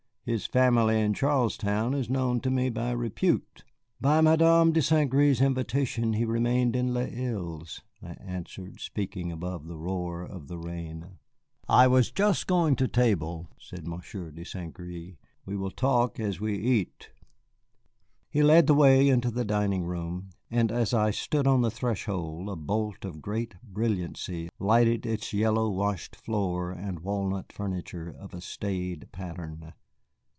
His family in Charlestown is known to me by repute." "By Madame de St. Gré's invitation he remained at Les Îles," I answered, speaking above the roar of the rain. "I was just going to the table," said Monsieur de St. Gré; "we will talk as we eat." He led the way into the dining room, and as I stood on the threshold a bolt of great brilliancy lighted its yellow washed floor and walnut furniture of a staid pattern.